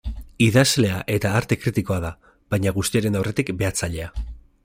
Idazlea eta arte kritikoa da, baina guztiaren aurretik, behatzailea.